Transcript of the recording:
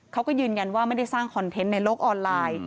เขาก็ยืนยันว่าไม่ได้สร้างคอนเทนต์ในโลกออนไลน์